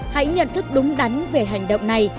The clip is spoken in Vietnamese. hãy nhận thức đúng đắn về hành động này